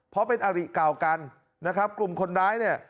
เพราะเป็นอริเก่ากันนะครับกลุ่มคนร้ายเนี่ย